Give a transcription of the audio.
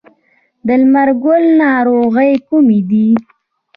د لمر ګل ناروغۍ کومې دي؟